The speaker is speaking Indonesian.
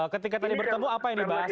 ketika tadi bertemu apa yang dibahas pak egy